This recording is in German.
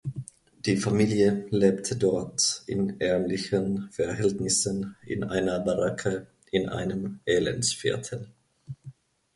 Die Familie lebte dort in ärmlichen Verhältnissen in einer Baracke in einem Elendsviertel.